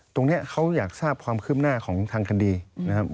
ตรงนี้เขาอยากทราบความคืบหน้าของทางคดีนะครับ